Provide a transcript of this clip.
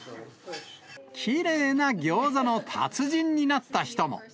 きれいなギョーザの達人になった人も。